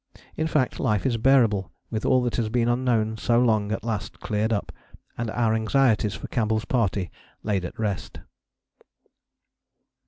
In fact, life is bearable with all that has been unknown so long at last cleared up, and our anxieties for Campbell's party laid at rest."